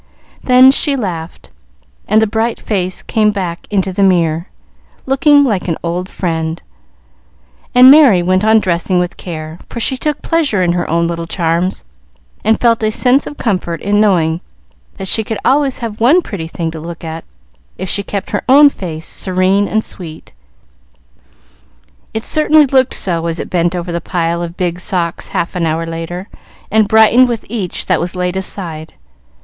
Then she laughed, and the bright face came back into the mirror, looking like an old friend, and Merry went on dressing with care, for she took pleasure in her own little charms, and felt a sense of comfort in knowing that she could always have one pretty thing to look at if she kept her own face serene and sweet. It certainly looked so as it bent over the pile of big socks half an hour later, and brightened with each that was laid aside.